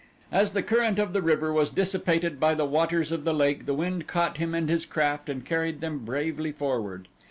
As the current of the river was dissipated by the waters of the lake the wind caught him and his craft and carried them bravely forward.